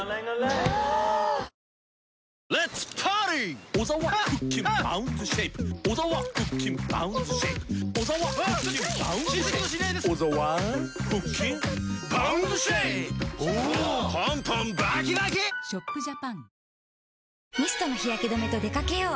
ぷはーっミストの日焼け止めと出掛けよう。